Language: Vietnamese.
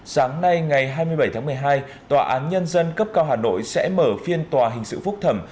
sáng nay ngày hai mươi bảy tháng một mươi hai tòa án nhân dân cấp cao hà nội sẽ mở phiên tòa hình sự phúc thẩm